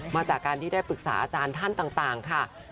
มาจากการที่ได้ปรึกษาอาจารย์ท่านต่างค่ะ